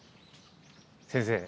先生